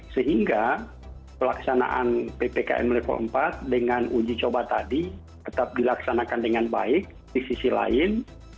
sehingga pelaksanaan ppkm level empat dengan uji coba tadi tetap dilaksanakan dengan baik di sisi lain